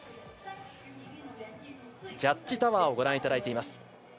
ジャッジタワーをご覧いただいています。